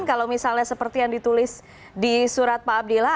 kalau misalnya seperti yang ditulis di surat pak abdillah